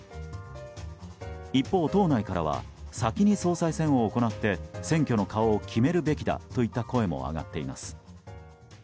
一方、党内からは先に総裁選を行って選挙の顔を決めるべきだといった声も上がっています。